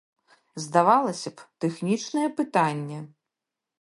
Здавалася б, тэхнічнае пытанне.